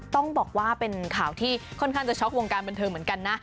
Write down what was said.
ต้องบอกว่าเป็นข่าวที่ค่อนข้างจะช็อกวงการบันเทิงเหมือนกันนะ